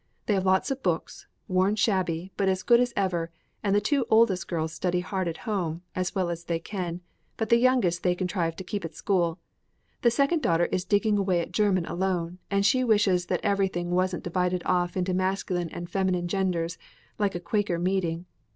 They have lots of books, worn shabby, but as good as ever, and the two oldest girls study hard at home as well as they can but the youngest they contrive to keep at school. The second daughter is digging away at German alone, and she wishes that everything wasn't divided off into masculine and feminine genders, like a Quaker meeting.